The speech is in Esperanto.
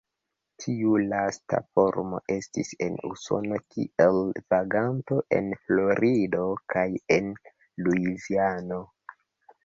Tiu lasta formo estis en Usono kiel vaganto en Florido kaj en Luiziano.